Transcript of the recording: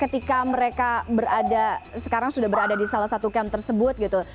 ketika mereka berada sekarang sudah berada di salah satu camp tersebut gitu